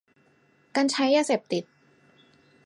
การใช้ยาเสพติด